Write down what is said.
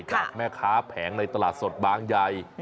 จากแม่ค้าแผงในตลาดสดบางใหญ่